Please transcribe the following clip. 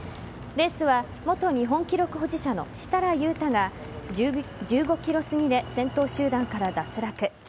レースは元日本記録保持者の設楽悠太が１５ｋｍすぎで先頭集団から脱落。